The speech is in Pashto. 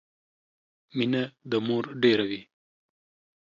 مينه د مور ډيره وي